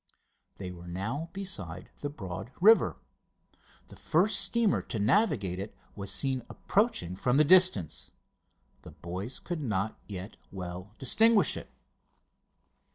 They were now beside the broad river. The first steamer to navigate it was seen approaching from the distance. The boys could not yet well distinguish it.